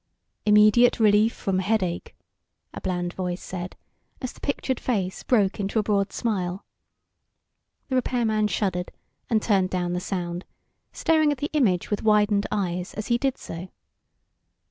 "... Immediate relief from headache," a bland voice said, as the pictured face broke into a broad smile. The repairman shuddered, and turned down the sound, staring at the image with widened eyes as he did so.